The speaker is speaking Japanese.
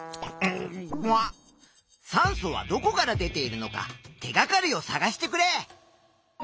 酸素はどこから出ているのか手がかりをさがしてくれ！